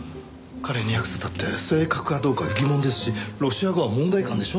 仮に訳せたって正確かどうかは疑問ですしロシア語は門外漢でしょ？